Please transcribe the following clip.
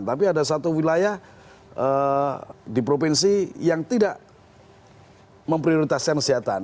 tapi ada satu wilayah di provinsi yang tidak memprioritaskan kesehatan